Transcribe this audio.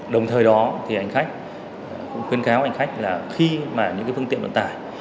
đồng thời đó thì hành khách cũng khuyên kháo hành khách là khi mà những phương tiện đoạn tải